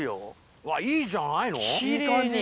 うわっ、いいじゃないの？